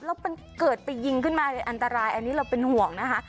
แล้วมันเกิดไปยิงขึ้นมาอันตรายอันนี้เราเป็นห่วงนะคะ